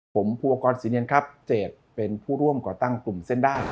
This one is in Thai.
ผมภูวกรศรีเนียนครับเจดเป็นผู้ร่วมก่อตั้งกลุ่มเส้นได้